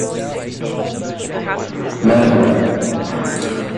Like many of Melbourne's inner suburbs, there are few detached houses in Abbotsford.